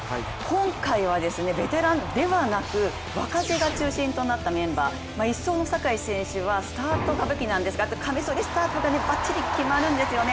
今回はベテランではなく若手が中心となったメンバー、１走の坂井選手はスタートが武器なんですが、カミソリスタートがばっちり決まるんですよね。